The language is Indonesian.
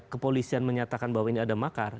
kepolisian menyatakan bahwa ini ada makar